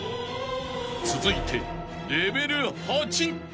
［続いてレベル８］